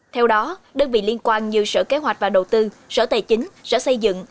theo đó đơn vị liên quan như sở kế hoạch và đầu tư sở tài chính sở xây dựng